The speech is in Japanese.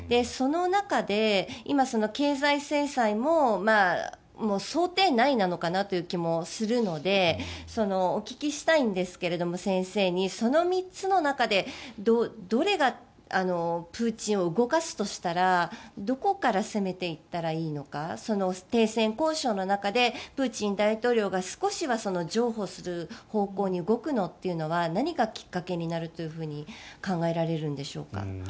その中で今、経済制裁も想定内なのかなという気もするので先生にお聞きしたいんですがその３つの中でどれがプーチンを動かすとしたらどこから攻めていったらいいのか停戦交渉の中でプーチン大統領が少しは譲歩する方向に動くのというのは何がきっかけになると考えられるんでしょうか？